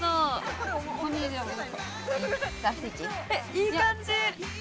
いい感じ。